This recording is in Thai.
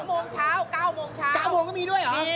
โมงเช้า๙โมงเช้า๙โมงก็มีด้วยเหรอ